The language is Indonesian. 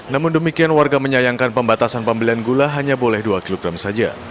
namun demikian warga menyayangkan pembatasan pembelian gula hanya boleh dua kg saja